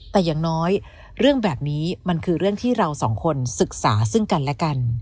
แต่อย่างน้อยเรื่องแบบนี้มันคือเรื่องที่เราสองคนศึกษาซึ่งกันและกัน